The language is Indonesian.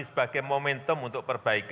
sebagai momentum untuk perbaikan